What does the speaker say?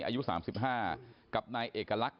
อายุ๓๕กับนายเอกลักษณ